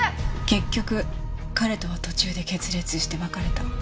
結局彼とは途中で決裂して別れた。